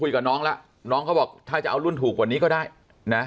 กับน้องแล้วน้องเขาบอกถ้าจะเอารุ่นถูกกว่านี้ก็ได้นะ